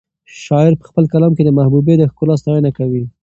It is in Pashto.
شاعر په خپل کلام کې د محبوبې د ښکلا ستاینه کوي.